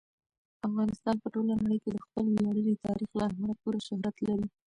افغانستان په ټوله نړۍ کې د خپل ویاړلي تاریخ له امله پوره شهرت لري.